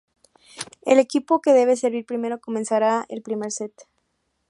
El equipo que debe servir primero comenzará el primer set.